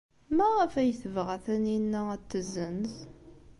Maɣef ay tebɣa Taninna ad t-tessenz?